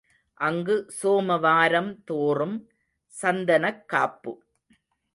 அங்கு சோமவாரம் தோறும் சந்தனக் காப்பு.